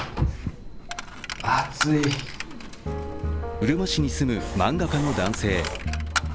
うるま市に住む漫画家の男性。